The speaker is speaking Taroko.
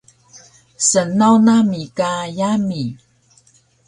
Snaw nami ka yami